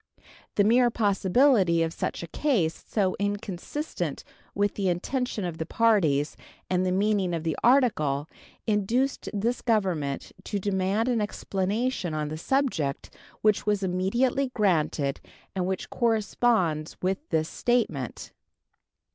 The mere possibility of such a case, so inconsistent with the intention of the parties and the meaning of the article, induced this Government to demand an explanation on the subject, which was immediately granted, and which corresponds with this statement.